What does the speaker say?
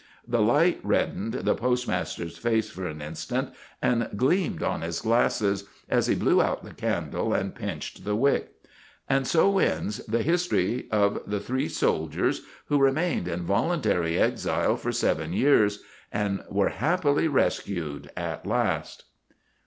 The light reddened the postmaster's face for an instant, and gleamed on his glasses, as he blew out the candle and pinched the wick. And so ends the history of the three soldiers who remained in voluntary exile for seven years, and were happily rescued at last.